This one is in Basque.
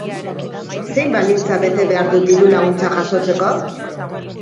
Zein baldintza bete behar dut dirulaguntza jasotzeko?